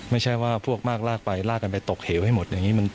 ไม่ใช่ว่าพวกมากลากไปลากไปตกเหวให้หมด